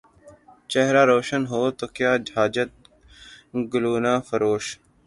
چہرہ روشن ہو تو کیا حاجت گلگونہ فروش